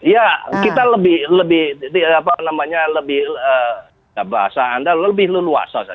ya kita lebih apa namanya lebih bahasa anda lebih leluasa